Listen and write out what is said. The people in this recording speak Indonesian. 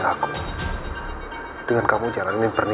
aku mudah sedang ambil diri